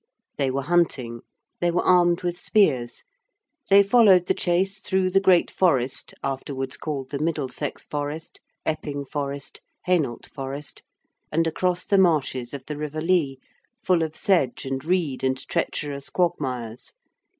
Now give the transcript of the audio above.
They were hunting: they were armed with spears: they followed the chase through the great forest afterwards called the Middlesex Forest, Epping Forest, Hainault Forest, and across the marshes of the river Lea, full of sedge and reed and treacherous quagmires.